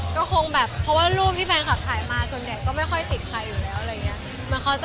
ก็คงแบบเพราะว่ารูปที่แฟนคลับถ่ายมาส่วนใหญ่ก็ไม่ค่อยติดใครอยู่แล้วอะไรอย่างนี้